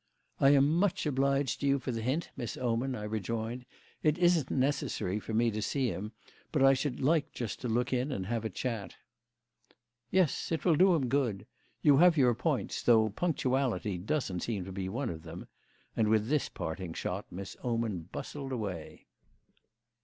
"I am much obliged to you for the hint, Miss Oman," I rejoined. "It isn't necessary for me to see him, but I should like just to look in and have a chat." "Yes, it will do him good. You have your points, though punctuality doesn't seem to be one of them," and with this parting shot Miss Oman bustled away.